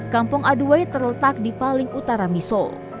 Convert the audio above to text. kampung aduay terletak di paling utara misol